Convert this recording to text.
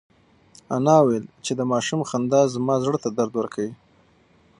انا وویل چې د ماشوم خندا زما زړه ته درد ورکوي.